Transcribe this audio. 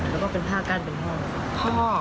แล้วก็เป็นภาคการเป็นพ่อ